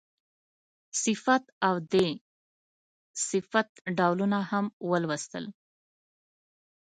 صفت او د صفت ډولونه هم ولوستل.